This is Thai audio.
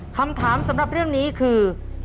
คำถามสำหรับเรื่องนี้คือ